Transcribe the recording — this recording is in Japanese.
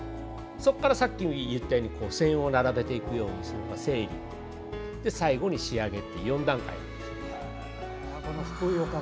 そこからさっき言ったように線を並べていくように彫って最後に仕上げっていう４段階で。